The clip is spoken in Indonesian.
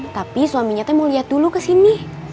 tapi suaminya mau lihat dulu ke sini